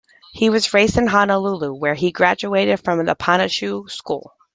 He was raised in Honolulu where he graduated from Punahou School.